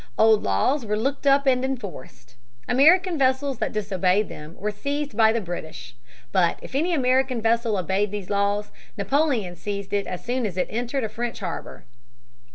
Old laws were looked up and enforced. American vessels that disobeyed them were seized by the British. But if any American vessel obeyed these laws, Napoleon seized it as soon as it entered a French harbor.